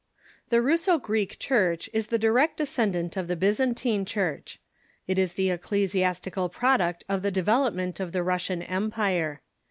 ] The Russo Greek Church is tlic direct descendant of the Byzantine Church. It is the ecclesiastical product of the de velopment of the Russian Empire.